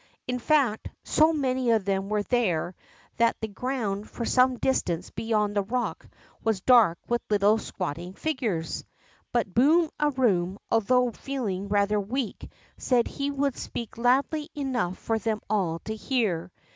In fact, so many of them were there, that the ground for some distance beyond the rock was dark with little squatting figures. But Boom a Boom, although feeling rather weak, said he would speak loudly enough for them all to hear.